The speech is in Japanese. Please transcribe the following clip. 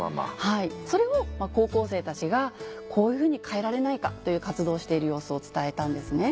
それを高校生たちがこういうふうに変えられないかという活動をしている様子を伝えたんですね。